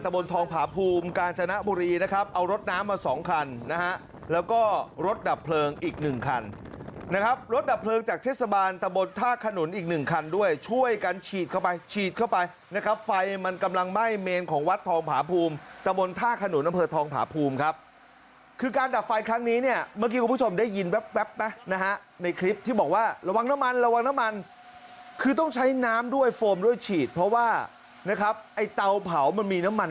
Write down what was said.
ตะบนทองผาภูมิการชนะบุรีนะครับเอารถน้ำมาสองคันนะฮะแล้วก็รถดับเพลิงอีกหนึ่งคันนะครับรถดับเพลิงจากเทศบาลตะบนท่าขนุนอีกหนึ่งคันด้วยช่วยกันฉีดเข้าไปฉีดเข้าไปนะครับไฟมันกำลังไหม้เมนของวัดทองผาภูมิตะบนท่าขนุนน้ำเผลอทองผาภูมิครับคือการดับไฟครั้งนี้เนี่ยเมื่อกี้คุณ